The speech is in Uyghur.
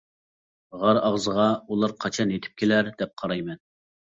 غار ئاغزىغا، ئۇلار قاچان يېتىپ كېلەر؟ دەپ قارايمەن.